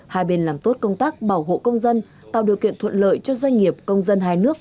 hai bên làm tốt công tác bảo hộ công dân tạo điều kiện thuận lợi cho doanh nghiệp công dân hai nước